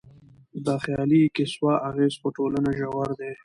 د خيالي کيسو اغېز په ټولنه ژور دی.